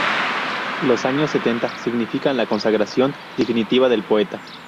Los años setenta significan la consagración definitiva del poeta.